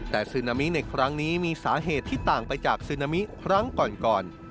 แต่ซึนามิในครั้งนี้มีสาเหตุที่ต่างไปจากซึนามิครั้งก่อน